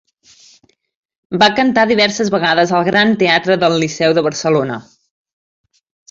Va cantar diverses vegades al Gran Teatre del Liceu de Barcelona.